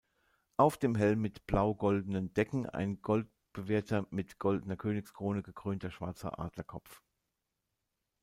Auf dem Helm mit blau-goldenen Decken ein goldbewehrter mit goldener Königskrone gekrönter schwarzer Adlerkopf.